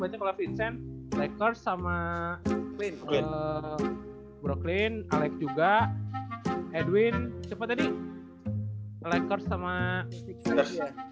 beda kalo vincent lakers sama brooklyn alex juga edwin siapa tadi lakers sama sixers